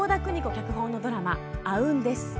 脚本のドラマ「あ・うん」です。